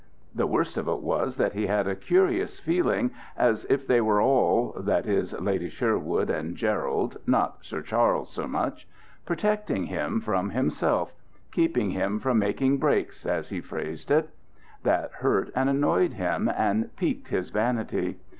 The worst of it was that he had a curious feeling as if they were all that is, Lady Sherwood and Gerald; not Sir Charles so much protecting him from himself keeping him from making breaks, as he phrased it. That hurt and annoyed him, and piqued his vanity.